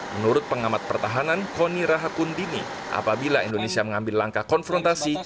menurut pengamat pertahanan kony rahakundini apabila indonesia mengambil langkah konfrontasi